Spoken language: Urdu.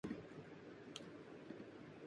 بلاول بھی قانون کی گرفت میں آتے ہیں